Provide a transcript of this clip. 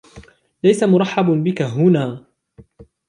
ليس مرحبٌ بك ها.